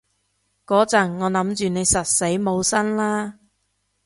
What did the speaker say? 嗰陣我諗住你實死冇生喇